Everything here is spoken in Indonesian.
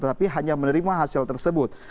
tapi hanya menerima hasil tersebut